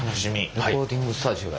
レコーディングスタジオや。